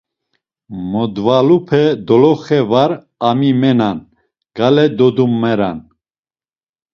Modvalupe doloxe var amimenan gale dodumeran.